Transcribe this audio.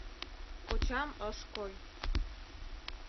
Кочам ыш кой.